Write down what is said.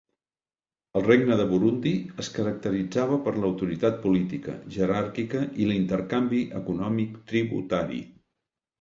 El Regne de Burundi es caracteritzava per l'autoritat política, jeràrquica i l'intercanvi econòmic tributari.